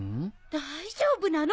大丈夫なの？